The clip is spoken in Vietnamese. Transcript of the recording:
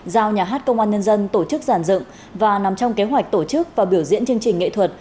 giao nhà hát công an nhân dân tổ chức giàn dựng và nằm trong kế hoạch tổ chức và biểu diễn chương trình nghệ thuật